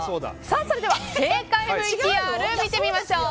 それでは正解ＶＴＲを見てみましょう。